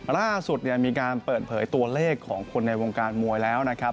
ก็กำลังเปิดเผยตัวเลขของคนในวงการมวยแล้วนะครับ